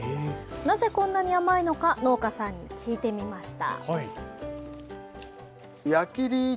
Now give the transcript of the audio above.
なぜこんなに甘いのか、農家さんに聞いてみました。